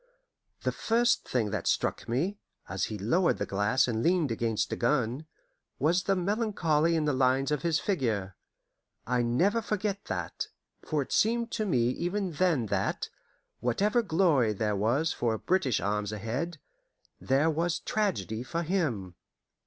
The first thing that struck me, as he lowered the glass and leaned against a gun, was the melancholy in the lines of his figure. I never forget that, for it seemed to me even then that, whatever glory there was for British arms ahead, there was tragedy for him.